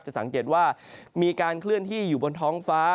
สังเกตว่ามีการเคลื่อนที่อยู่บนท้องฟ้า